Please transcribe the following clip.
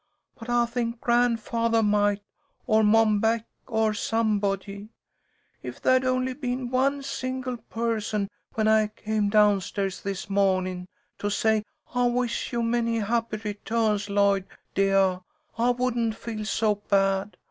But I think grandfathah might, or Mom Beck, or somebody. If there'd only been one single person when I came down stairs this mawnin' to say 'I wish you many happy returns, Lloyd, deah,' I wouldn't feel so bad.